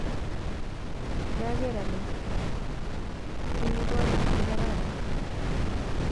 kiager ale ki kabwotut nekararan.